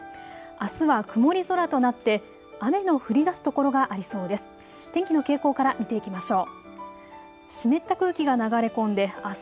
あすは曇り空となって雨の降りだす所がありそうです。